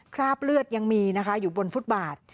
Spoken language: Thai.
คราบเลือดยังมีนะคะอยู่บนฟุตบาท